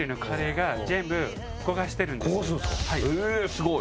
すごい。